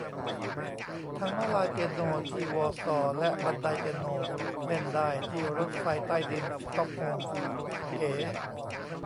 ทางม้าลายเปียโนที่ วอร์ซอว์ และบันไดเปียโน เล่นได้ ที่รถไฟใต้ดินสต็อกโฮล์ม เก๋